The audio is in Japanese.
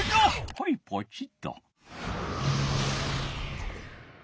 はいポチッと。